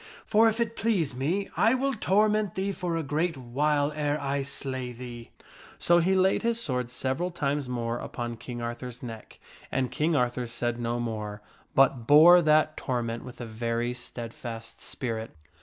For if it please me I will torment thee for a great while ere I slay thee." So he laid his sword several times more upon King Arthur's neck, and King Arthur said no more, but bore that torment with a very steadfast spirit.